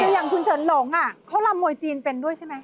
อย่างคุณเฉินหลงเขารำมวยจีนเป็นด้วยใช่ไหม